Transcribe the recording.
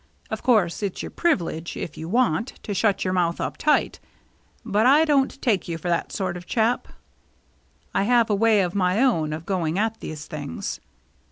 Of course it's your privilege, if you want, to shut your mouth up tight. But I don't take you for that sort of a chap. I have a way of my own of going at these things.